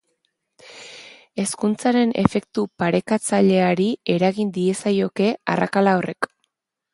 Hezkuntzaren efektu parekatzaileari eragin diezaioke arrakala horrek.